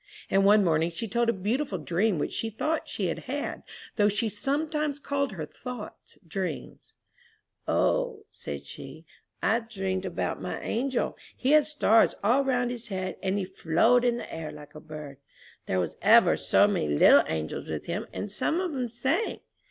And one morning she told a beautiful dream which she thought she had had, though she sometimes called her thoughts dreams. "O," said she, "I dreamed about my angel! He had stars all round his head, and he flowed in the air like a bird. There was ever so many little angels with him, and some of 'em sang.